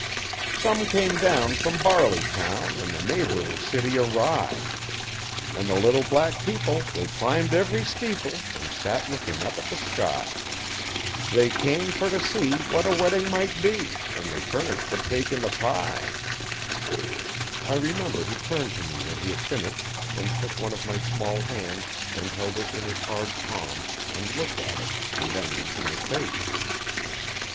Some came down from Barleytown an' the neighbouring city o' Rye. An' the little black people they climbed every steeple An' sat looking up at the sky. They came fer t' see what a wedding might be an' they furnished the cake an' the pie. I remember he turned to me when he had finished and took one of my small hands and held it in his hard palm and looked at it and then into my face.